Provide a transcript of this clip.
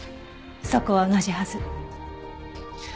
そこは同じはず。